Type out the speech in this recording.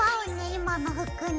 今の服に。